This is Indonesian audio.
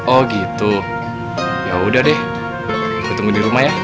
oh gitu yaudah deh ketemu dirumah ya